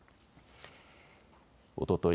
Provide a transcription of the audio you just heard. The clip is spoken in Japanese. おととい